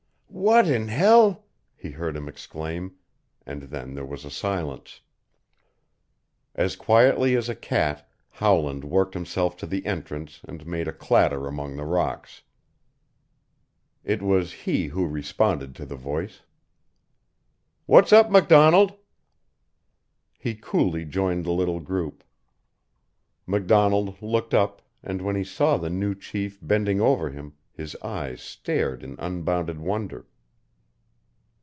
"What in hell!" he heard him exclaim, and then there was a silence. As quietly as a cat Howland worked himself to the entrance and made a clatter among the rocks. It was he who responded to the voice. "What's up, MacDonald?" He coolly joined the little group. MacDonald looked up, and when he saw the new chief bending over him his eyes stared in unbounded wonder.